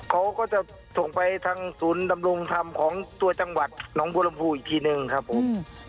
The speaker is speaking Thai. เขาก็จะส่งไปทางสูตรนำลงธรรมของตัวจังหวัดหนองบูรมภูอีกทีหนึ่งครับผม